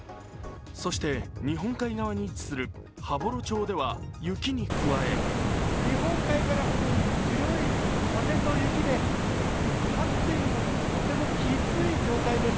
そして日本海側に位置する羽幌町では雪に加え日本海から吹く強い風と雪で立っているのもとてもきつい状態です。